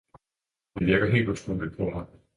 Det virker helt utroligt på mig.